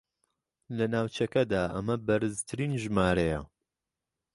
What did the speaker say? لە ناوچەکەدا ئەمە بەرزترین ژمارەیە